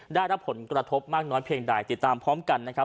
ได้รับผลกระทบมากน้อยเพียงใดติดตามพร้อมกันนะครับ